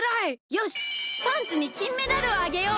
よしパンツにきんメダルをあげよう！